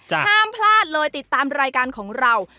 ห้ามพลาดเลยติดตามรายการของเรา